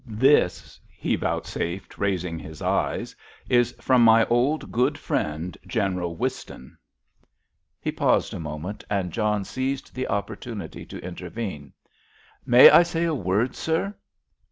"This," he vouchsafed, raising his eyes, "is from my old, good friend, General Whiston." He paused a moment, and John seized the opportunity to intervene, "May I say a word, sir?"